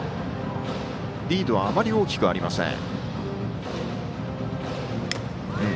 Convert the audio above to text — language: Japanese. リードはあまり大きくありません。